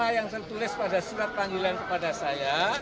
yang tertulis pada surat panggilan kepada saya